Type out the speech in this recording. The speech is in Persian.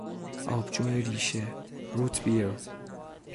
آبجو ریشه، روت بیر